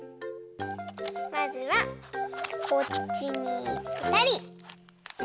まずはこっちにぺたり！